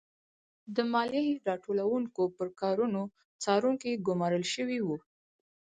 د مالیه راټولوونکو پر کارونو څارونکي ګورمال شوي وو.